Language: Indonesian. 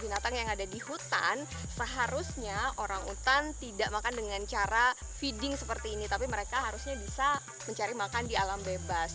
binatang yang ada di hutan seharusnya orang hutan tidak makan dengan cara feeding seperti ini tapi mereka harusnya bisa mencari makan di alam bebas